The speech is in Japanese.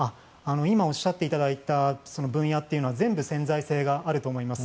今おっしゃっていただいた分野というのは全部、潜在性があると思います。